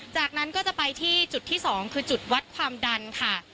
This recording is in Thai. จากนั้นก็จะไปที่จุดที่๒คือจุดวัดความดันค่ะ